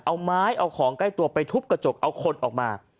เอาไม้เอาของใกล้ตัวไปทุบกระจกเอาคนออกมา